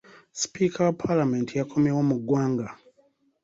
Sipiika wa paalamenti yakomyewo mu ggwanga.